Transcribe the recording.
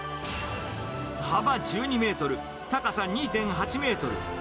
幅１２メートル、高さ２．８メートル。